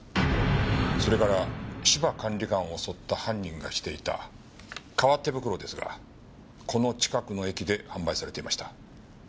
それから芝管理官を襲った犯人がしていた革手袋ですがこの近くの駅で販売されていました。